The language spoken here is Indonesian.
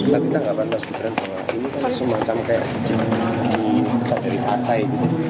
tapi kita tidak patah sebenarnya ini kan semacam kayak dipecat dari partai